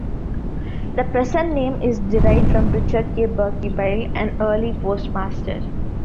The present name is derived from Richard K. Berkeybile, an early postmaster.